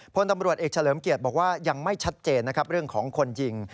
พลตำรวจเอกเฉลิมเกียรติบอกว่ายังไม่ชัดเจนนะครับเรื่องของคนยิง